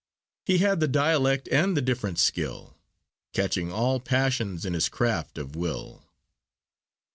He had the dialect and the different skill, Catching all passions in his craft of will.